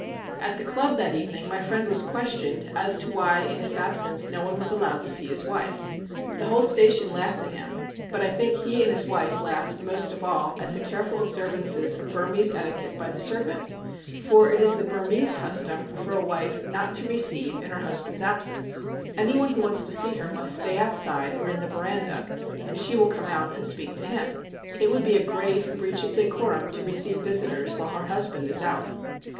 At the club that evening my friend was questioned as to why in his absence no one was allowed to see his wife. The whole station laughed at him, but I think he and his wife laughed most of all at the careful observances of Burmese etiquette by the servant; for it is the Burmese custom for a wife not to receive in her husband's absence. Anyone who wants to see her must stay outside or in the veranda, and she will come out and speak to him. It would be a grave breach of decorum to receive visitors while her husband is out.